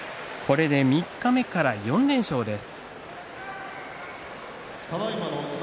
三日目から４連勝です。